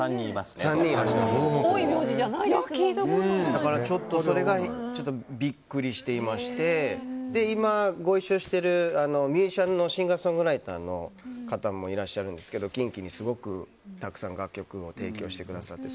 だからちょっとそれがビックリしていまして今、ご一緒しているシンガーソングライターの方もいらっしゃってキンキにすごくたくさん楽曲を提供してくださって。